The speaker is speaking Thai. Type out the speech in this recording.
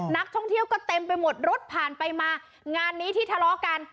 นักท่องเที่ยวก็เต็มไปหมดรถผ่านไปมางานนี้ที่ทะเลาะกัน